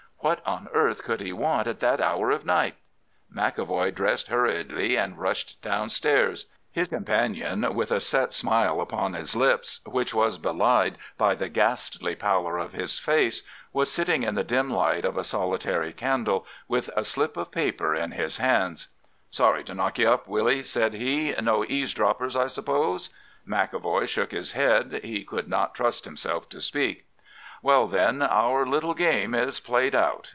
"What on earth could he want at that hour of night? McEvoy dressed hurriedly and rushed downstairs. His companion, with a set smile upon his lips, which was belied by the ghastly pallor of his face, was sitting in the dim light of a solitary candle, with a slip of paper in his hands. "'Sorry to knock you up, Willy,' said he. 'No eavesdroppers, I suppose?' "McEvoy shook his head. He could not trust himself to speak. "'Well, then, our little game is played out.